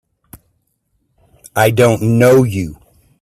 I don't know you!